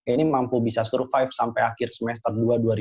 ini mampu bisa survive sampai akhir semester dua dua ribu dua puluh